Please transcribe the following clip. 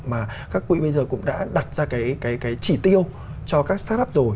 mà các quỹ bây giờ cũng đã đặt ra cái chỉ tiêu cho các start up rồi